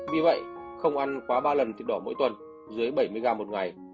vì vậy không ăn quá ba lần thịt đỏ mỗi tuần dưới bảy mươi gram một ngày